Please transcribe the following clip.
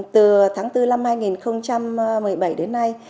từ tháng bốn năm hai nghìn một mươi bảy đến nay